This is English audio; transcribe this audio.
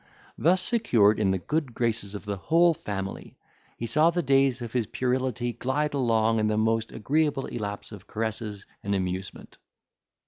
Thus secured in the good graces of the whole family, he saw the days of his puerility glide along in the most agreeable elapse of caresses and amusement.